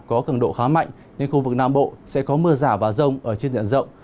có cầm độ khá mạnh nên khu vực nam bộ sẽ có mưa rào và rông ở trên diện rộng